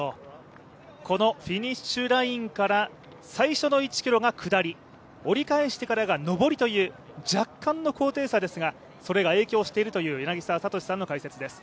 このフィニッシュラインから最初の１ｋｍが下り折り返してからが上りという若干の高低差ですがそれが影響しているという柳澤哲さんの解説です。